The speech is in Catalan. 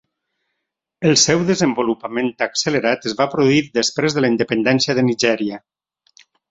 El seu desenvolupament accelerat es va produir després de la independència de Nigèria.